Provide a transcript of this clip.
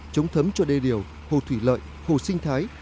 chống thấm cho đê điều hồ thủy lợi hồ sinh thái